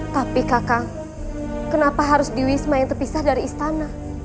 tapi kakang kenapa harus dewi isma yang terpisah dari istana